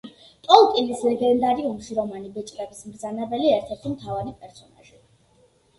ტოლკინის ლეგენდარიუმში, რომანის „ბეჭდების მბრძანებელი“ ერთ-ერთი მთავარი პერსონაჟი.